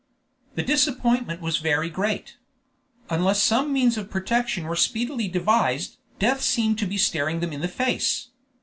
The disappointment was very great. Unless some means of protection were speedily devised, death seemed to be staring them in the face.